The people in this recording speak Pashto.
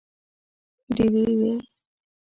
ډیوې وي